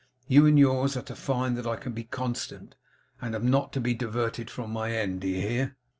You and yours are to find that I can be constant, and am not to be diverted from my end. Do you hear?